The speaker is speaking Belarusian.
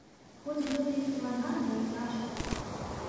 Хоць гэта і складана, і цяжка.